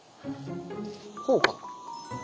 こうかな。